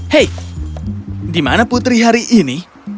hei di mana putri hari ini